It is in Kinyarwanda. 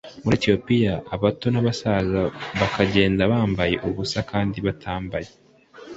muri Etiyopiya abato n abasaza bakagenda bambaye ubusa kandi batambaye